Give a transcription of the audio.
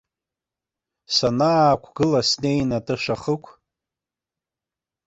Санаақәгыла снеин атыша ахықә.